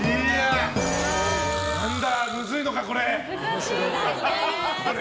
何だ、むずいのか、これ。